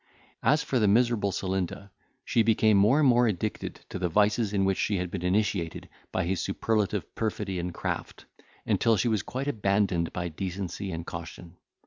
As for the miserable Celinda, she became more and more addicted to the vices in which she had been initiated by his superlative perfidy and craft, until she was quite abandoned by decency and caution.